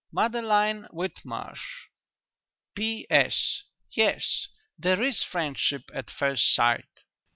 "MADELINE WHITMARSH. "P.S. Yes, there is friendship at first sight."